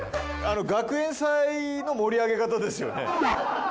学園祭の盛り上げ方ですよね。